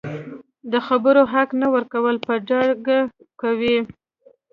د خبرو حق نه ورکول په ډاګه کوي